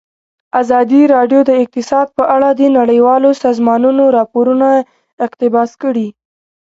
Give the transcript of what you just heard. ازادي راډیو د اقتصاد په اړه د نړیوالو سازمانونو راپورونه اقتباس کړي.